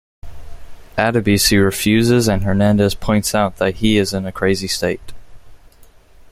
Adebisi refuses and Hernandez points out that he is in a crazy state.